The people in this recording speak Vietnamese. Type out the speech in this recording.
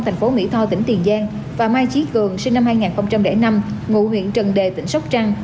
thành phố mỹ tho tỉnh tiền giang và mai chí cường sinh năm hai nghìn năm ngụ huyện trần đề tỉnh sóc trăng